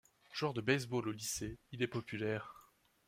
Joueur de baseball au lycée, il est populaire.